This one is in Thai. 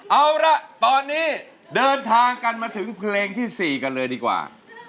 เอาละตอนนี้เดินทางกันมาถึงเพลงที่๔กันเลยดีกว่า